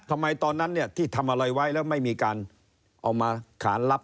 ทำไมตอนนั้นที่ทำอะไรไว้ไม่มีการเอามาขารับ